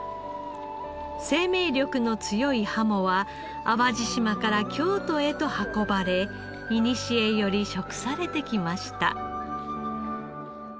生命力の強いハモは淡路島から京都へと運ばれいにしえより食されてきました。